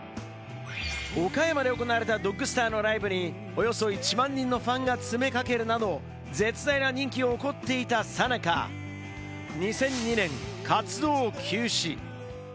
岡山で行われたＤｏｇｓｔａｒのライブにおよそ１万人が詰めかけるなど、絶大な人気を誇っていたさなか、２００２年、活動休止。